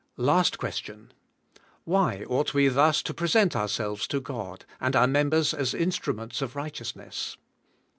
Last question. Why ought we thus to present ourselves to God and our members as instruments of righteousness.